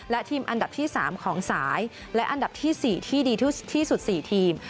และทีมอันดับที่๓ของสายและอันดับที่๔ที่ดีที่สุด๔ทีม